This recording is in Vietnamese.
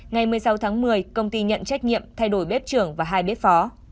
ngày một mươi sáu tháng một mươi công ty nhận trách nhiệm thay đổi bếp trưởng và hai bếp phó